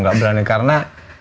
gak berani karena